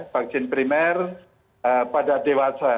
vaksin primer pada dewasa